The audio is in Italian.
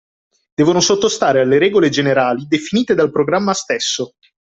Devono sottostare alle regole generali definite dal programma stesso.